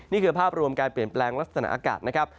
นี่คือภาพรวมการเปลี่ยนแปลงลักษณะอากาศนะครับ